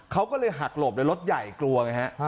เขาก็เลยหักหลบในรถใหญ่กลัวไงฮะ